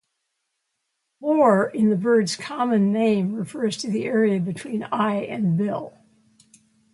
"Lore" in the bird's common name refers to the area between eye and bill.